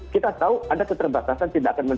kita tahu ada keterbatasan